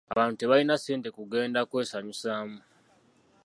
Abantu tebalina ssente kugenda kwesanyusaamu.